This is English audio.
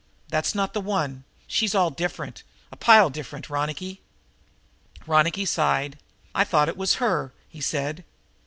"That's not the one. She's all different, a pile different, Ronicky." Ronicky sighed. "I thought we had her," he said.